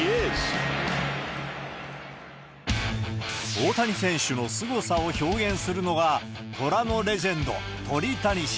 大谷選手のすごさを表現するのが、虎のレジェンド、鳥谷氏。